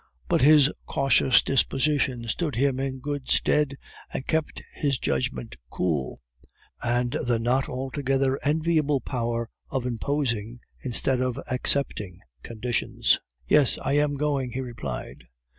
But his cautious disposition stood him in good stead, and kept his judgment cool, and the not altogether enviable power of imposing instead of accepting conditions. "Yes, I am going," he replied.